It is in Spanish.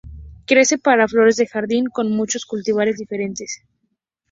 Crece para flores de jardín con muchos cultivares diferentes.